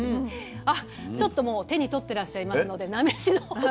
ちょっともう手に取ってらっしゃいますので菜飯のほうを。